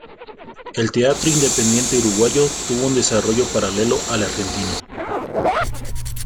El teatro independiente uruguayo tuvo un desarrollo paralelo al argentino.